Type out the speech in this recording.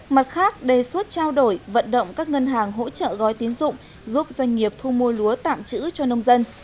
mặt khác đề xuất trao đổi vận động các ngân hàng hỗ trợ gói tín dụng giúp doanh nghiệp thu mua lúa tạm chữ cho nông dân